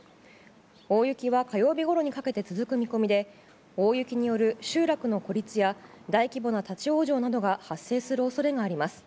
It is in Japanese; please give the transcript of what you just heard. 大雪は、火曜日ごろにかけて続く見込みで大雪による集落の孤立や大規模な立ち往生などが発生する恐れがあります。